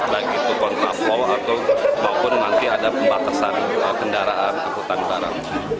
baik itu kontraflow atau maupun nanti ada pembatasan kendaraan angkutan barang